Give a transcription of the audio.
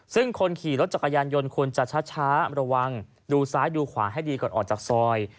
ซึ่งคนขี่รถจักรยานยนต์ควรจะช้าระวังดูซ้ายดูขวาให้ดีก่อนออกจากซอย